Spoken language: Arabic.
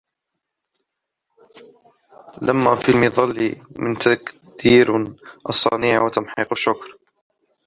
لِمَا فِي الْمَطْلِ مِنْ تَكْدِيرِ الصَّنِيعِ وَتَمْحِيقِ الشُّكْرِ